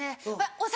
お酒。